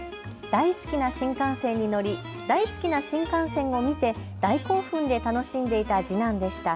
大好きな新幹線に乗り大好きな新幹線を見て大興奮で楽しんでいた次男でした。